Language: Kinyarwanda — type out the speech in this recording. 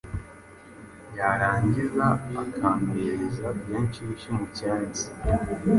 yarangiza akampereza iyo nshyushyu mu cyansi